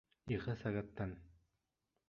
Ике сәғәттән.